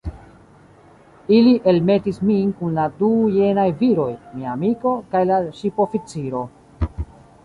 Ili elmetis min kun la du jenaj viroj, mia amiko, kaj la ŝipoficiro.